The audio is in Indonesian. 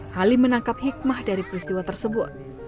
halim menangkap hikmah dari peristiwa tersebut